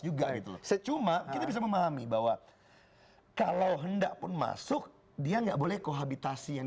juga gitu loh secuma kita bisa memahami bahwa kalau hendak pun masuk dia nggak boleh kohabitasi yang